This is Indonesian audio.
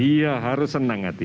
iya harus senang hati